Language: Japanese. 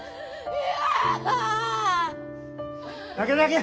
泣け泣け！